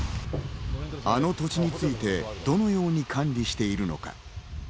あの土地についてどのように管理しているのか。